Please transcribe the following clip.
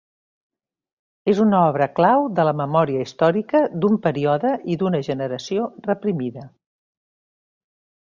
És una obra clau de la memòria històrica d'un període i d'una generació reprimida.